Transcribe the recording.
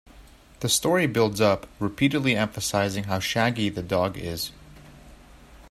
The story builds up, repeatedly emphasizing how shaggy the dog is.